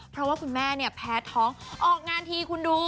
เพราะว่าคุณแม่เนี่ยแพ้ท้องออกงานทีคุณดู